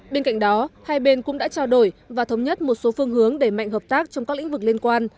bên cạnh đó hai bên cũng đã trao đổi và thống nhất một số phương hướng để mạnh hợp tác trong các lĩnh vực liên quan